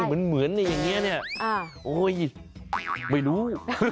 เหมือนในอย่างนี้เนี่ยโอ๊ยไม่รู้